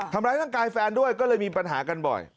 ทำร้ายร่างกายแฟนด้วยก็เลยมีปัญหากันบ่อย